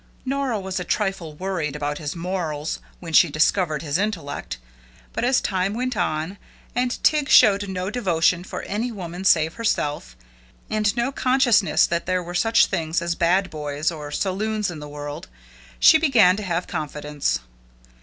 Nora was a trifle worried about his morals when she discovered his intellect, but as time went on, and Tig showed no devotion for any woman save herself, and no consciousness that there were such things as bad boys or saloons in the world, she began to have confidence.